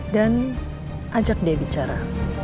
dan ajak dia bicara